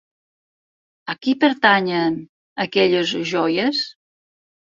A qui pertanyen aquelles joies?